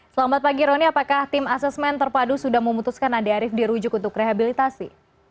selamat pagi roni apakah tim asesmen terpadu sudah memutuskan andi arief dirujuk untuk rehabilitasi